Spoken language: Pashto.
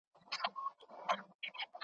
زما په یاد دي څرخېدلي بې حسابه قلمونه ,